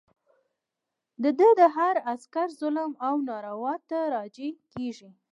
د ده د هر عسکر ظلم او ناروا ده ته راجع کېږي.